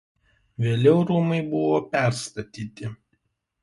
Vėliau rūmai buvo perstatyti.